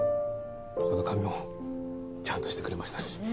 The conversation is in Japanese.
僕の髪もちゃんとしてくれましたし。